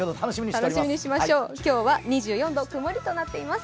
今日は２４度、曇りとなっています。